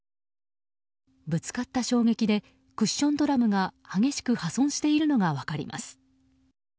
ぶつかった衝撃でクッションドラムが激しく破損しているのが分かります。